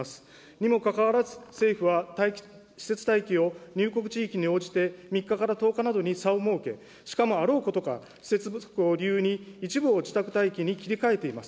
にもかかわらず、政府は、施設待機を入国地域に応じて３日から１０日などに差を設け、しかも、あろうことか、施設不足を理由に、一部を自宅待機に切り替えています。